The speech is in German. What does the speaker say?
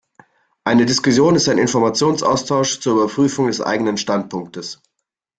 Eine Diskussion ist ein Informationsaustausch zur Überprüfung des eigenen Standpunktes.